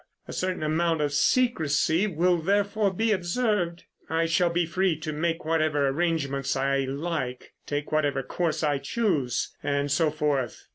A certain amount of secrecy will, therefore, be observed. I shall be free to make whatever arrangements I like, take whatever course I choose, and so forth.